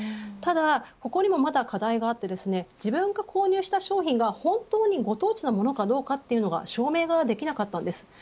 ただ、ここにもまだ課題があって自分が購入した商品が本当にご当地なものかどうか証明ができなかったんです。